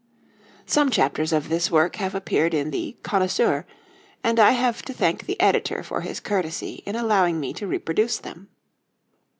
Some chapters of this work have appeared in the Connoisseur, and I have to thank the editor for his courtesy in allowing me to reproduce them.